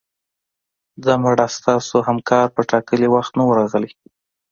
ځه مړه ستاسو همکار په ټاکلي وخت نه و راغلی